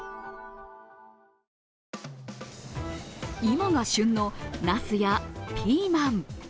今が旬のなすやピーマン。